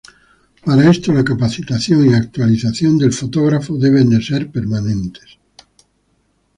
Para esto la capacitación y actualización del fotógrafo debe ser permanente.